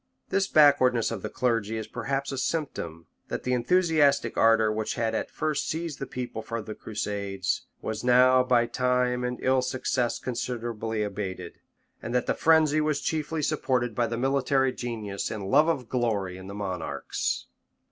This backwardness of the clergy is perhaps a symptom that the enthusiastic ardor which had at first seized the people for crusades, was now by time and ill success considerably abated; and that the frenzy was chiefly supported by the military genius and love of glory in the monarchs.